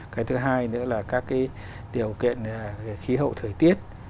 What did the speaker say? cái thứ hai nữa là các cái điều kiện khí hậu thời tiết